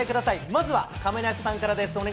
まずは亀梨さんからです。